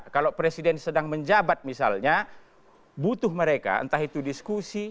kalau presiden sedang menjabat misalnya butuh mereka entah itu diskusi